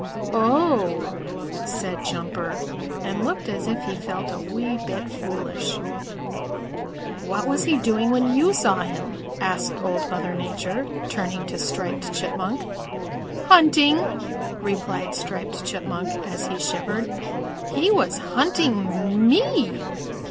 "Oh," said Jumper and looked as if he felt a wee bit foolish. "What was he doing when you saw him?" asked Old Mother Nature, turning to Striped Chipmunk. "Hunting," replied Striped Chipmunk, and shivered. "He was hunting me.